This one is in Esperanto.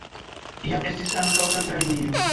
Iam estis ankaŭ fervoja linio.